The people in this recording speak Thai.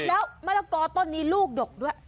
แล้วมะละกอต้นนี้ลูกดกด้วย